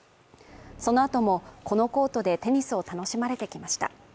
そのあとも、このコートでテニスを楽しまれてきました。